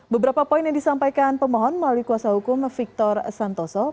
beberapa poin yang disampaikan pemohon melalui kuasa hukum victor santoso